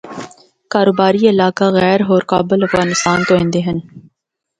کاروباری علاقہ غیر ہور کابل افغانستان تو اِیندے ہن۔